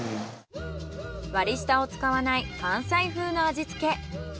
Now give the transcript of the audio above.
割り下を使わない関西風の味付け。